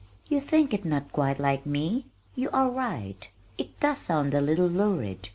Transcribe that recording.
"You think it not quite like me? You are right. It does sound a little lurid.